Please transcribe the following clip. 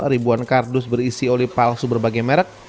ribuan kardus berisi oli palsu berbagai merek